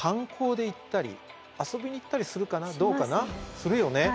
するよね。